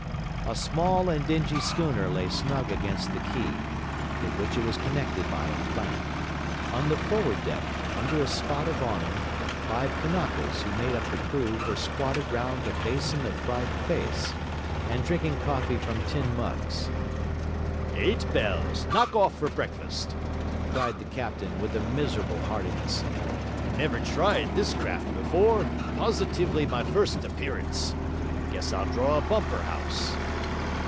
A small and dingy schooner lay snug against the quay, with which it was connected by a plank. On the forward deck, under a spot of awning, five Kanakas who made up the crew, were squatted round a basin of fried feis, and drinking coffee from tin mugs. 'Eight bells: knock off for breakfast!' cried the captain with a miserable heartiness. 'Never tried this craft before; positively my first appearance; guess I'll draw a bumper house.'